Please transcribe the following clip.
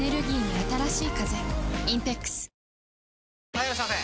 ・はいいらっしゃいませ！